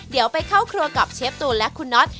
เดี๋ยวไปเข้าครัวกับเชฟตูนและคุณน็อต